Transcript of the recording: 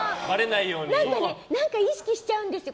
何か意識しちゃうんですよ。